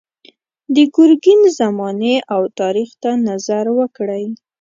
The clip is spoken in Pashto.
د ګرګین زمانې او تاریخ ته نظر وکړئ.